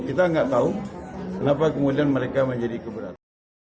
kita nggak tahu kenapa kemudian mereka menjadi keberatan